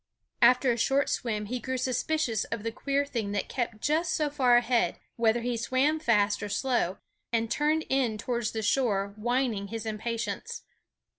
After a short swim he grew suspicious of the queer thing that kept just so far ahead, whether he swam fast or slow, and turned in towards the shore whining his impatience.